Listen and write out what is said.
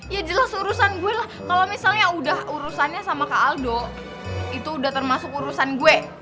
ya jelas urusan gue lah kalau misalnya udah urusannya sama kak aldo itu udah termasuk urusan gue